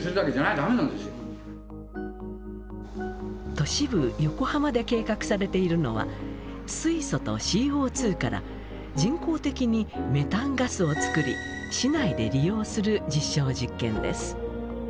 都市部横浜で計画されているのは水素とＣＯから人工的にメタンガスを作り市内で利用する実証実験です。